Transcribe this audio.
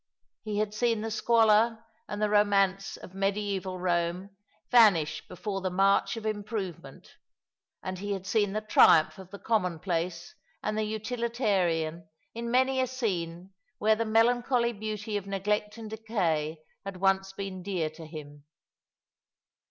He had seen the squalor and the romance of Mediaeval Eome vanish before the march of improvement ; and he had seen the triumph of the common place and the utilitarian in many a scene where the melan choly beauty of neglect and decay had once been dear to him.